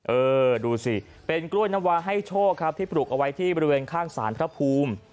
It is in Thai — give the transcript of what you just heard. เออดูสิเป็นกล้วยน้ำวาให้โชคครับที่ปลูกเอาไว้ที่บริเวณข้างสารพระภูมิ